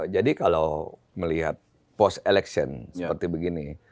jadi kalau melihat post election seperti begini